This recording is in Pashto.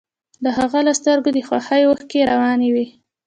د هغه له سترګو د خوښۍ اوښکې روانې وې